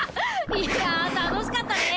いや楽しかったね！